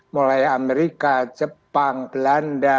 mulai amerika amerika serikat amerika serikat